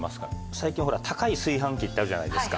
最近高い炊飯器ってあるじゃないですか